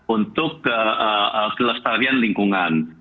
untuk kelestarian lingkungan